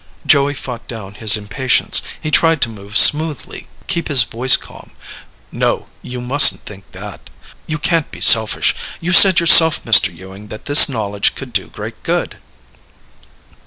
Joey fought down his impatience. He tried to move smoothly, keep his voice calm. "No. You mustn't think that. You can't be selfish. You said yourself, Mr. Ewing, that this knowledge could do great good."